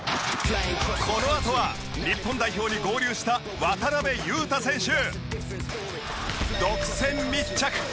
このあとは日本代表に合流した渡邊雄太選手。